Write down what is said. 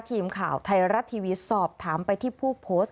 ทีมข่าวไทยรัฐทีวีสอบถามไปที่ผู้โพสต์